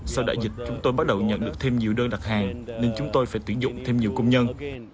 sau đại dịch chúng tôi bắt đầu nhận được thêm nhiều đơn đặt hàng nên chúng tôi phải tuyển dụng thêm nhiều công nhân